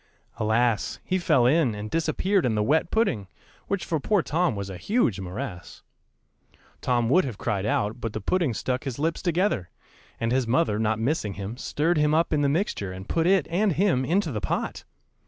Alas! he fell in and disappeared in the wet pudding, which for poor Tom was a huge morass. [Illustration: THE FALL OF THE PUDDING.] Tom would have cried out, but the pudding stuck his lips together, and his mother not missing him, stirred him up in the mixture, and put it and him into the pot.